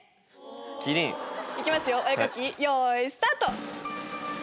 行きますよお絵描きよいスタート！